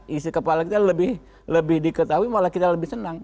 isi kepala kita lebih diketahui malah kita lebih senang